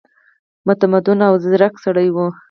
متمدن او ځیرک سړی وو.